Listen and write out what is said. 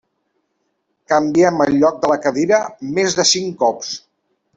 Canviem el lloc de la cadira més de cinc cops.